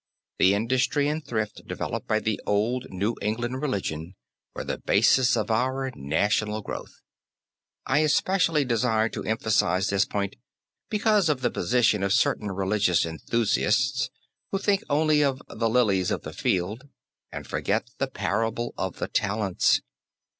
The industry and thrift developed by the old New England religion were the basis of our national growth. I especially desire to emphasize this point because of the position of certain religious enthusiasts who think only of "the lilies of the field" and forget the parable of the talents.